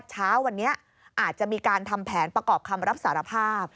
เช้าวันนี้อาจจะมีการทำแผนประกอบคำรับสารภาพ